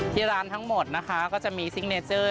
ที่ร้านทั้งหมดนะคะก็จะมีซิกเนเจอร์